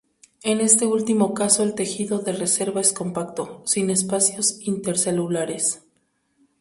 En este último caso el tejido de reserva es compacto, sin espacios intercelulares.